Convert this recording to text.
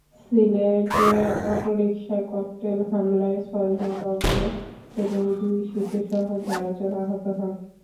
সিলেটে অটোরিকশায় ককটেল হামলায় ছয়জন দগ্ধ এবং দুই শিশুসহ চারজন আহত হন।